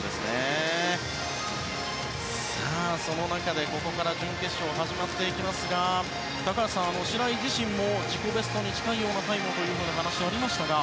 その中で、ここから準決勝が始まっていきますが高橋さん、白井自身も自己ベストに近いタイムをという話がありましたが。